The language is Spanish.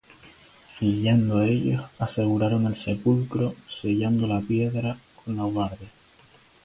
Y yendo ellos, aseguraron el sepulcro, sellando la piedra, con la guardia.